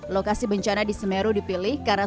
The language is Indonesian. lokasi bencana di semeru dipilih karena